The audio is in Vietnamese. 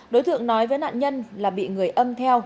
đối tượng nói với nạn nhân là bị người âm theo